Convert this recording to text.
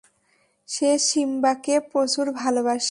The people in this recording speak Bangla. সে সিম্বাকে প্রচুর ভালোবাসে।